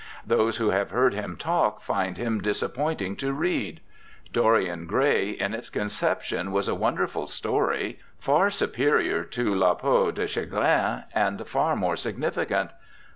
Those who have heard him talk find him disappointing to read. Dorian Gray in its conception was a wonderful story, far superior to La Peau de Chagrin, and far more significant!